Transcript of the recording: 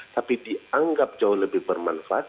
tapi dianggap jauh lebih bermanfaat